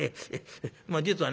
まあ実はね